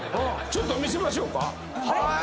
ちょっと見せましょうか。